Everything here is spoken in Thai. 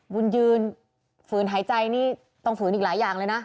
บุญยืนฝืนหายใจนี่ต้องฝืนอีกหลายอย่างเลยนะ